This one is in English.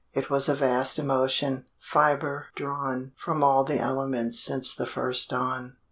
It was a vast emotion, fibre drawn From all the elements since the first dawn.